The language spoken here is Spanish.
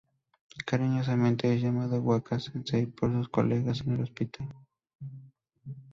Cariñosamente es llamado "Waka-sensei" por sus colegas en el hospital.